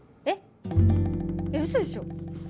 えっうそでしょ？